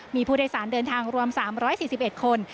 มีพุทธศาสตร์เดินทางรวม๓๔๑คน